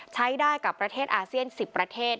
ใช้ได้กับประเทศอาเซียน๑๐ประเทศ